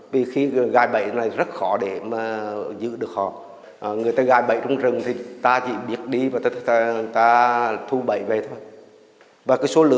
vì khi gài bẫy này rất khó để mà giữ được họ